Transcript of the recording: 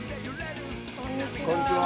こんにちは。